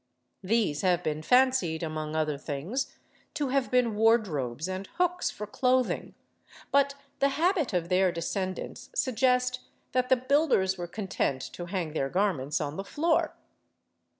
These have been fancied, among other things, to have been wardrobes and hooks for clothing, but the habit of their descendants suggest that the builders were content to hang their garments on the floor.